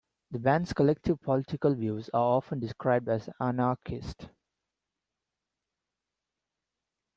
The band's collective political views are often described as anarchist.